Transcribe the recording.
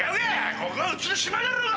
ここはうちの島じゃろが！